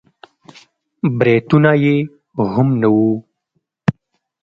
برېتونه يې هم نه وو.